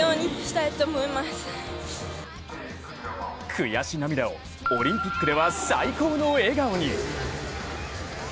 悔し涙をオリンピックでは最高の笑顔に。